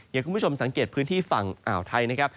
อย่างคุณผู้ชมสังเกตพื้นที่ฝั่งอ่าวไทย